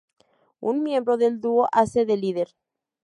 Un miembro del dúo hace de líder.